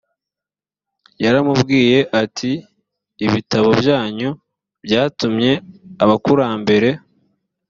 yaramubwiye ati ibitabo byanyu byatumye abakurambere